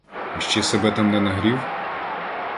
Іще себе там не нагрів?